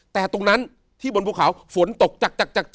แต่ตรงนั้นที่บนภูเขาฝนตกจักจักจักจัก